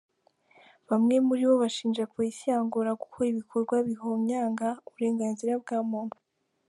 Bamwe muri bo bashinja polisi ya Angola gukora ibikorwa bihonyanga uburenganzira bwa muntu.